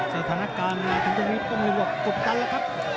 สถานการณ์ตรงนี้ก็มีกว่ากดดันแล้วครับ